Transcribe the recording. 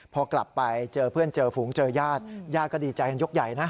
พอกลับไปเจอเพื่อนเจอฝูงเจอญาติญาติก็ดีใจกันยกใหญ่นะ